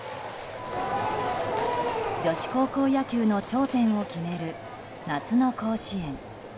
女子高校野球の頂点を決める夏の甲子園。